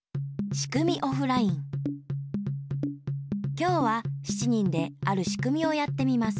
きょうは７人であるしくみをやってみます。